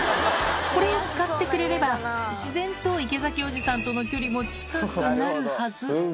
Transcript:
これを使ってくれれば、自然と池崎おじさんとの距離も近くなるはず。